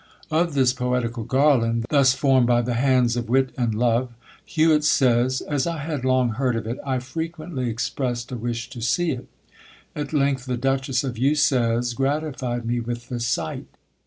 Of this Poetical Garland, thus formed by the hands of Wit and Love, Huet says, "As I had long heard of it, I frequently expressed a wish to see it: at length the Duchess of Usez gratified me with the sight.